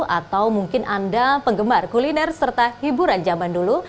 atau mungkin anda penggemar kuliner serta hiburan zaman dulu